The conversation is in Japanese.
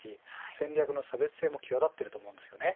戦略の差別性も際立っていると思います。